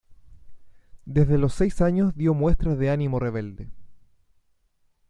Desde los seis años dio muestras de ánimo rebelde.